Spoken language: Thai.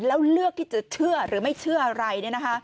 แล้วเลือกที่จะเชื่อหรือไม่เชื่ออะไร